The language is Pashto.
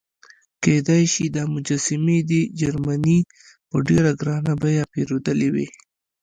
کېدای شي دا مجسمې دې جرمني په ډېره ګرانه بیه پیرودلې وي.